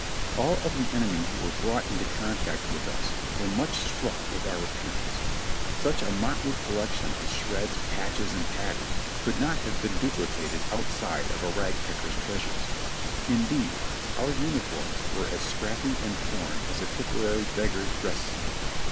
All of the enemy who were brought into contact with us were much struck with our appearance; such a motley collection of shreds, patches, and tatters could not have been duplicated outside of a rag picker's treasures; indeed our uniforms were as scrappy and torn as a Tipperary beggar'§ dress suit.